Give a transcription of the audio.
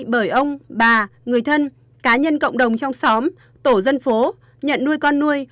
bởi ông bà người thân cá nhân cộng đồng trong xóm tổ dân phố nhận nuôi con nuôi